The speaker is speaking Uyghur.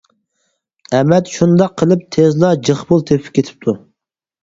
ئەمەت شۇنداق قىلىپ تېزلا جىق پۇل تېپىپ كېتىپتۇ.